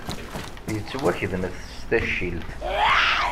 Yettwakedmet s taccilt.